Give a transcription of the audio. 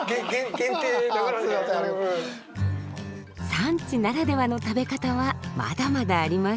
産地ならではの食べ方はまだまだあります。